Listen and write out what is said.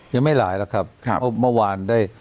ยังไม่หลายหรอกครับเพราะเมื่อวานได้